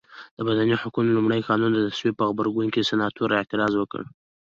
د مدني حقونو د لومړ قانون د تصویب په غبرګون کې سناتور اعتراض وکړ.